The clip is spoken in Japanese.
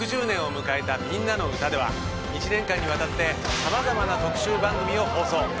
６０年を迎えた「みんなのうた」では一年間にわたってさまざまな特集番組を放送。